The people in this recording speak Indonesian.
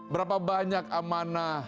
berapa banyak amanah